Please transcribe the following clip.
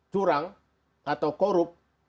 curang atau korup